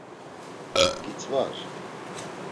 Gitzvar.